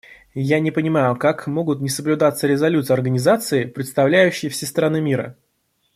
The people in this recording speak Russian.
Я не понимаю, как могут не соблюдаться резолюции организации, представляющей все страны мира?